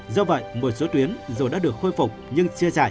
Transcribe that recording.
do vậy một số tuyến dù đã được khôi phục nhưng chia dài